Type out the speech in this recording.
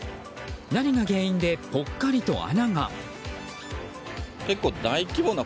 何が原因でぽっかりと穴が。